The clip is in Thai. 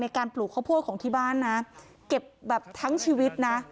การปลูกข้าวโพดของที่บ้านนะเก็บแบบทั้งชีวิตนะ